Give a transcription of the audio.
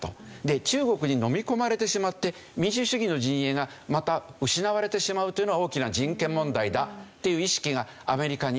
中国にのみ込まれてしまって民主主義の陣営がまた失われてしまうというのは大きな人権問題だっていう意識がアメリカにあって。